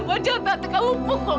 wajah tante kamu pukul